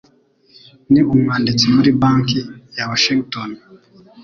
Ni umwanditsi muri Banki ya Washington.